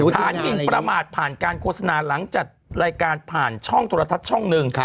ฐานมินประมาทผ่านการโฆษณาหลังจัดรายการผ่านช่องโทรทัศน์ช่องหนึ่ง